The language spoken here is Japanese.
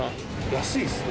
安いですね。